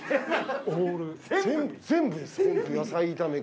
全部ですよ。